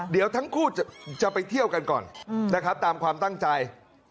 เดี๋ยวทั้งคู่จะไปเที่ยวกันก่อนนะครับตามความตั้งใจ